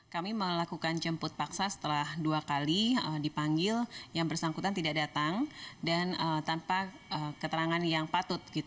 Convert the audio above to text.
kami melakukan jemput paksa setelah dua kali dipanggil yang bersangkutan tidak datang dan tanpa keterangan yang patut